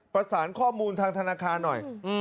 ประสานข้อมูลทางธนาคารหน่อย